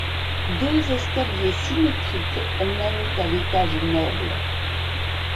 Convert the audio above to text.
Deux escaliers symétriques mènent à l’étage noble.